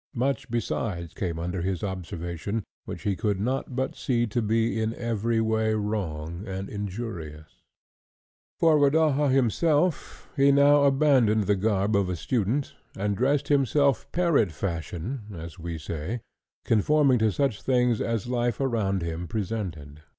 Much besides came under his observation, which he could not but see to be in every way wrong and injurious. For Rodaja himself, he had now abandoned the garb of a student, and dressed himself parrot fashion (as we say), conforming to such things as the life around him presented.